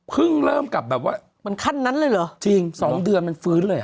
เริ่มกลับแบบว่าเหมือนขั้นนั้นเลยเหรอจริงสองเดือนมันฟื้นเลยเห